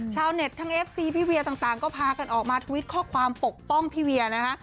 ชาวเน็ตทั้งเอฟซีพี่เวียต่างก็พากันออกมาทวิตข้อความปกป้องพี่เวียนะคะ